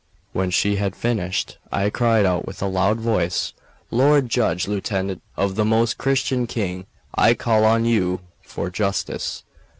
When she had finished, I cried out with a loud voice: "Lord judge, lieutenant of the Most Christian King, I call on you for justice.